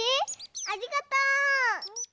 ありがとう！